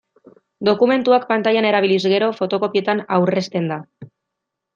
Dokumentuak pantailan erabiliz gero, fotokopietan aurrezten da.